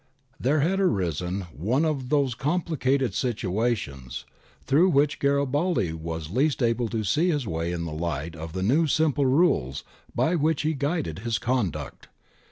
There had arisen one of those complicated situations through which Garibaldi was least able to see his way in the light of the few simple rules by which he guided his conduct.